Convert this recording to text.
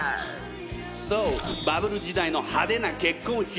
そうバブル時代のハデな結婚披露宴ハデ婚！